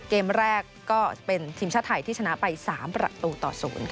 เกมแรกก็เป็นทีมชาติไทยที่ชนะไป๓ประตูต่อ๐